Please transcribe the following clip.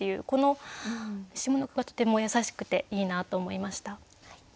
この下の句がとても優しくていいなと思いました。